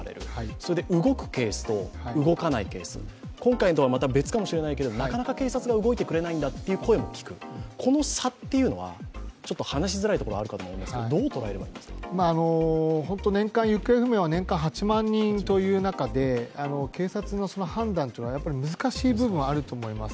それで動くケースと動かないケース、今回とはまた別かもしれないけど、なかなか警察が動いてくれないんだという声も聞く、この差というのは、ちょっと話しづらいところはあると思いますが、行方不明は年間８万人という中で警察の判断というのは難しい部分があると思います。